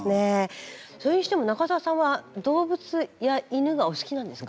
それにしても中澤さんは動物や犬がお好きなんですか？